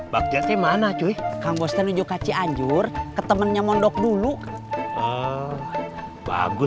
bakjati mana cuy kamu bostan juga cianjur ketemannya mondok dulu bagus